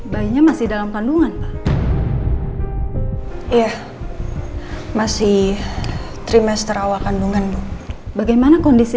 bayinya masih dalam kandungan iya masih trimester awal kandungan bu bagaimana kondisi